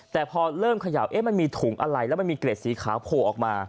แต่พอเริ่มเขย่ามันมีถุงอะไรแล้วมันมีเกร็ดสีขาวโผล่ออกมา